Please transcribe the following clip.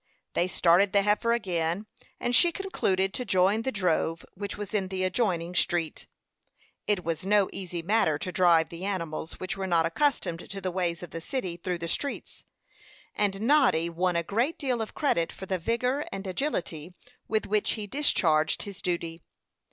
They started the heifer again, and she concluded to join the drove which was in the adjoining street. It was no easy matter to drive the animals, which were not accustomed to the ways of the city, through the streets, and Noddy won a great deal of credit for the vigor and agility with which he discharged his duty.